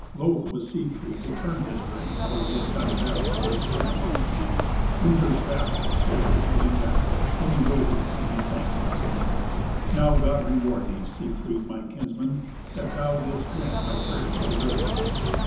Loth was Siegfried to turn his rein or had he done battle for his friends. Gunther's vassals scare held him back. Then he rode to the king, that thanked him. "Now, God reward thee, Siegfried, my kinsman, that thou didst grant my prayer so readily.